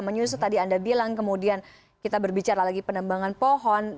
menyusut tadi anda bilang kemudian kita berbicara lagi penembangan pohon